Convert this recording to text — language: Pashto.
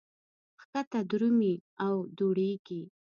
ښکته درومي او دوړېږي.